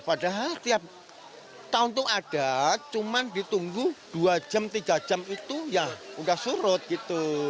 padahal tiap tahun tuh ada cuma ditunggu dua jam tiga jam itu ya udah surut gitu